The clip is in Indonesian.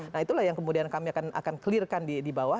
nah itulah yang kemudian kami akan clear kan di bawah